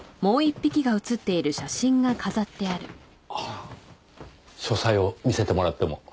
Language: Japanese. あっ書斎を見せてもらっても？